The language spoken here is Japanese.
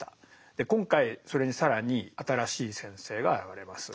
で今回それに更に新しい先生が現れます。